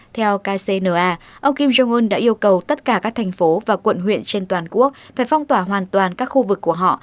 theo kcna ông kim jong un đã yêu cầu tất cả các thành phố và quận huyện trên toàn quốc phải phong tỏa hoàn toàn các khu vực của họ